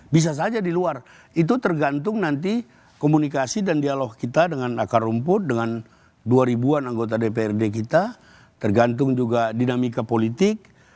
bisa saja di luar itu tergantung nanti komunikasi dan dialog kita dengan akar rumput dengan dua ribu an anggota dprd kita tergantung juga dinamika politik